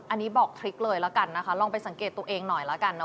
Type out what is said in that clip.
อันนี้บอกทริคเลยแล้วกันนะคะลองไปสังเกตตัวเองหน่อยแล้วกันนะ